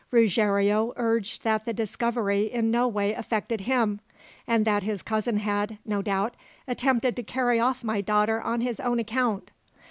Ruggiero urged that the discovery in no way affected him; and that his cousin had, no doubt, attempted to carry off my daughter on his own account.